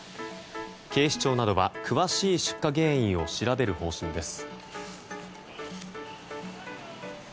警視庁などは詳しい出火原因を調べる方針です。